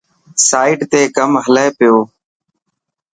سائٽ تي ڪم هلي پيو.